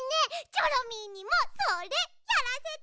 チョロミーにもそれやらせて！